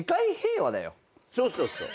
そうそうそう。